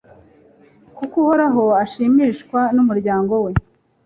Kuko Uhoraho ashimishwa n’umuryango we